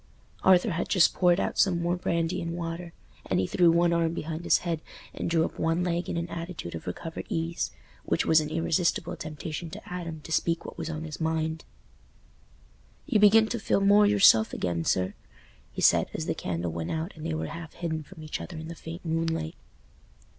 Arthur had just poured out some more brandy and water, and he threw one arm behind his head and drew up one leg in an attitude of recovered ease, which was an irresistible temptation to Adam to speak what was on his mind. "You begin to feel more yourself again, sir," he said, as the candle went out and they were half hidden from each other in the faint moonlight.